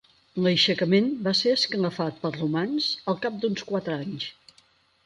L'aixecament va ser esclafat pels romans al cap d'uns quatre anys.